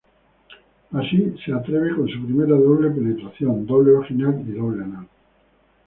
Así se atreve con su primera doble penetración, doble vaginal y doble anal.